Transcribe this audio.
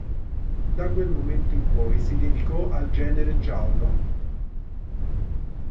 Da quel momento in poi si dedicò al genere giallo.